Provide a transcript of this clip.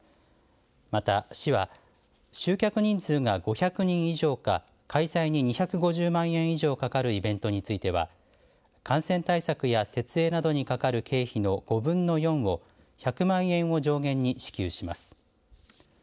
また市は集客人数が５００人以上か開催に２５０万円以上かかるイベントについては感染対策や設営などにかかる経費の５分の４を１００万円を上限に支給します。